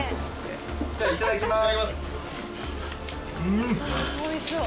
いただきます。